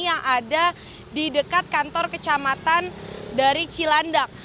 yang ada di dekat kantor kecamatan dari cilandak